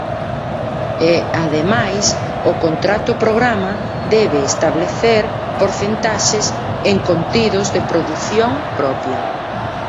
E, ademais, o contrato programa debe establecer porcentaxes en contidos de produción propia.